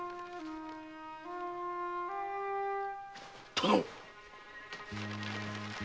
殿！